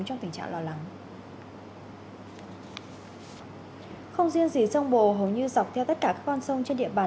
trong tình trạng lo lắng không riêng gì sông bồ hầu như dọc theo tất cả các con sông trên địa bàn